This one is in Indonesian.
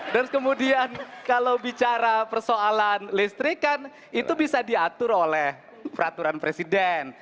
dan kemudian kalau bicara persoalan listrik kan itu bisa diatur oleh peraturan presiden